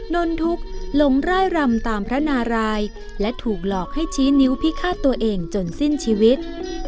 นนทุกข์หลงร่ายรำตามพระนารายและถูกหลอกให้ชี้นิ้วพิฆาตตัวเองจนสิ้นชีวิต